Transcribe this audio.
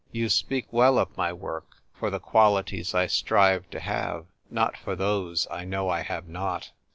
You speak well of my work for the qualities I strive to have, not for those I know I have not."